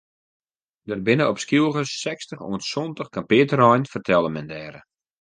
Der binne op Skylge sechstich oant santich kampearterreinen fertelde men dêre.